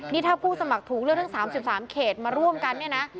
นี่ถ้าผู้สมัครถูกเลือกทั้ง๓๓เขตมาร่วมกันเนี่ยนะ